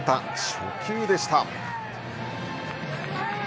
初球でした。